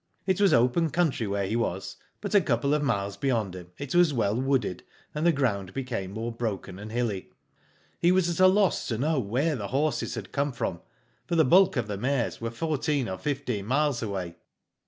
" It was open country where he was, but a couple of miles beyond him it was well wooded, and the ground became more broken and hilly. *' He was at a loss to know where the horses had come from, for the bulk of the mares were fourteen or fifteen miles away.